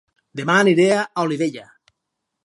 Dema aniré a Olivella